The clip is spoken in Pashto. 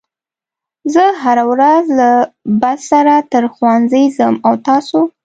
زه هره ورځ له بس سره تر ښوونځي ځم او تاسو